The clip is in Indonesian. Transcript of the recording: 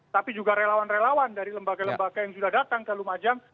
tapi juga relawan relawan dari lembaga lembaga yang sudah datang ke lumajang